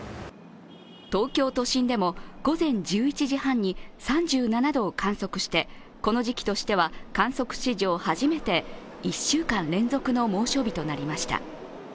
東京都心でも午前１１時半に３７度を観測してこの時期としては観測史上初めて１週間連続の猛暑日となりました。